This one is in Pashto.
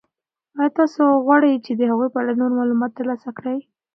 آیا تاسو غواړئ د هغوی په اړه نور معلومات ترلاسه کړئ؟